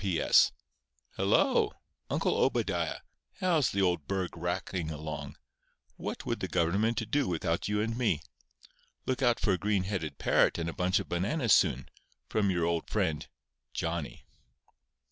P.S.—Hello! Uncle Obadiah. How's the old burg racking along? What would the government do without you and me? Look out for a green headed parrot and a bunch of bananas soon, from your old friend JOHNNY.